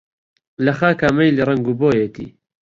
لە خاکا مەیلی ڕەنگ و بۆیەتی